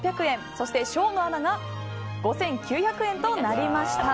そして生野アナが５９００円となりました。